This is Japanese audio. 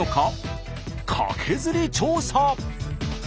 カケズリ調査。